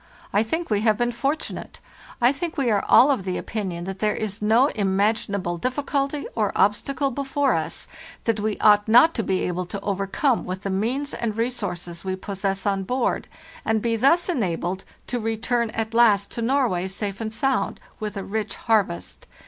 I think we have been fortunate. I think we are all of the opinion that there is no imaginable difficulty or ob stacle before us that we ought not to be able to overcome with the means and resources we possess on board, and be thus enabled to return at last to Norway safe and sound, with a rich harvest.